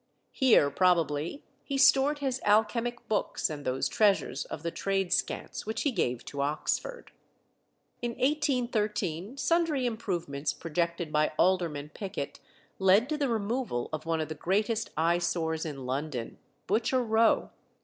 Here, probably, he stored his alchemic books and those treasures of the Tradescants which he gave to Oxford. In 1813 sundry improvements projected by Alderman Pickett led to the removal of one of the greatest eye sores in London Butcher Row.